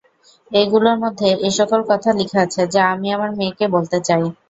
এই গুলোর মধ্যে এসকল কথা লিখা আছে যা আমি আমার মেয়েকে বলতে চাই।